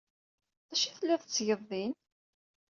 D acu ay tellid tettged din?